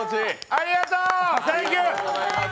ありがとう！